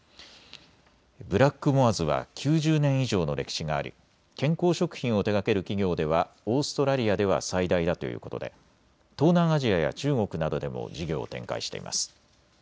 ブラックモアズは９０年以上の歴史があり健康食品を手がける企業ではオーストラリアでは最大だということで東南アジアや中国などでも事業を展開しています。